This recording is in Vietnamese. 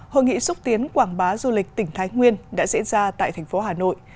hội nghị xúc tiến quảng bá du lịch tỉnh thái nguyên đã diễn ra tại thành phố hà nội